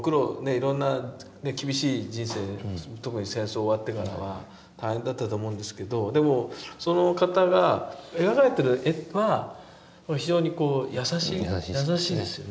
いろんなね厳しい人生特に戦争終わってからは大変だったと思うんですけどでもその方が描かれてる絵は非常に優しい優しいですよね。